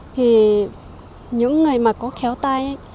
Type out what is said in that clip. thì những người mà có khéo tay